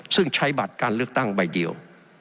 ซึ่งใช้บัตรการเลือกตั้งใบเดียว